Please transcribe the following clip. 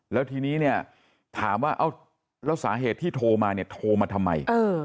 แล้วทีนี้เนี่ยถามว่าเอาแล้วสาเหตุที่โทรมาเนี่ยโทรมาทำไม